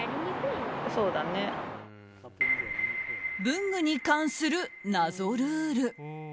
文具に関する謎ルール。